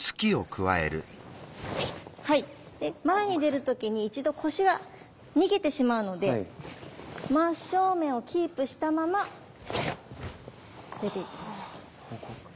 はい前に出る時に１度腰が逃げてしまうので真正面をキープしたまま出ていきます。